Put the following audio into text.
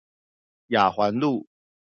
雅環路